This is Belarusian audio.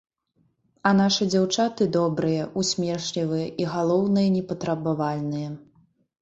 А нашы дзяўчаты добрыя, усмешлівыя і, галоўнае, непатрабавальныя.